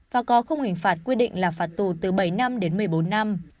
và có không hình phạt quy định là phạt tù từ bảy năm đến một mươi năm